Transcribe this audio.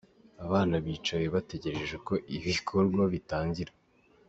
Abana bicaye bategereje ko ibikorwa bitangira.